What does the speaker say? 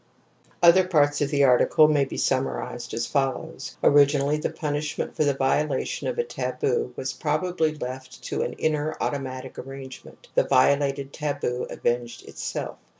Other parts of the article may be smnmarized as follows. Originally the(punishment)for the violation of a taboo was probably left to an inner, automatic arrangement. /iThe violated taboo avenged itself.